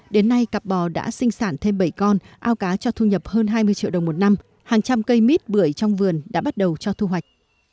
đến nay cặp bò đã sinh sản thêm bảy con ao cá cho thu nhập hơn hai mươi triệu đồng một năm hàng trăm cây mít bưởi trong vườn đã bắt đầu cho thu hoạch